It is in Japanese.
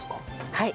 はい。